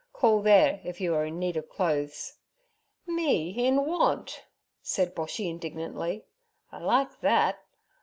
Call there if you are in need of clothes.' 'Me in want!' said Boshy indignantly. 'I like thet.